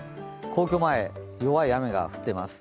皇居前、弱い雨が降ってます。